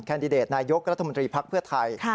ดิเดตนายกรัฐมนตรีภักดิ์เพื่อไทย